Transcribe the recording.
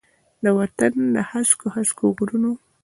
د وطن د هسکو، هسکو غرونو،